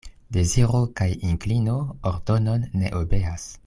Deziro kaj inklino ordonon ne obeas.